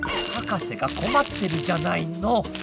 博士が困ってるじゃないの！